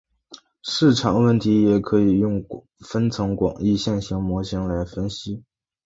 市场问题也可以用分层广义线性模型来分析。